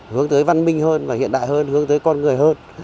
hướng tới văn minh hơn và hiện đại hơn hướng tới con người hơn